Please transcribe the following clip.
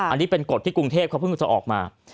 อันนี้เป็นกฎที่กรุงเทพเขาเพิ่งจะออกมา